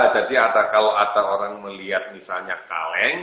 jadi kalau ada orang melihat misalnya kaleng